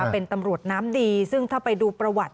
เป็นตำรวจน้ำดีซึ่งถ้าไปดูประวัติ